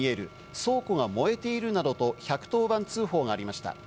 倉庫が燃えているなどと１１０番通報がありました。